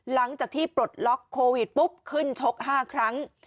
หลังจากที่ปลดล็อกโควิดปุ๊บขึ้นชก๕ครั้ง